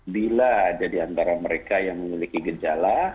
bila ada di antara mereka yang memiliki gejala